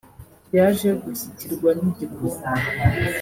yaje gushyikirwa n’igikundi